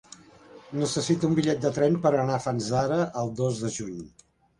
Necessito un bitllet de tren per anar a Fanzara el dos de juny.